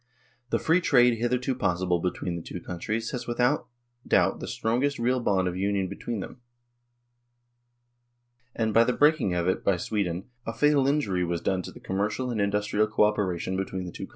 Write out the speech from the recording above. The Free Trade hitherto possible between the two countries was without doubt the strongest real bond of union between them, and by the breaking of it by Sweden a fatal injury was done to the commercial and industrial co operation between the two countries.